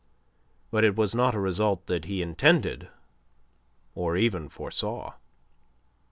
But it was not a result that he intended or even foresaw.